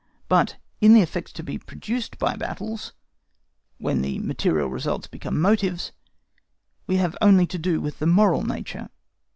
But in the effects to be produced by battles when the material results become motives, we have only to do with the moral nature.